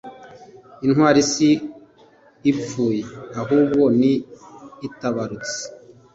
intwari si ipfuye ahubwo ni itabarutse